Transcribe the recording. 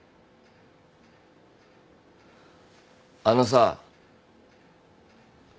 あのさ。